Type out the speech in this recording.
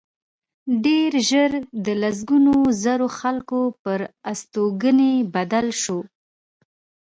ډېر ژر د لسګونو زرو خلکو پر استوګنځي بدل شو